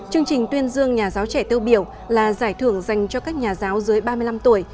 chương trình tuyên dương nhà giáo trẻ tiêu biểu là giải thưởng dành cho các nhà giáo dưới ba mươi năm tuổi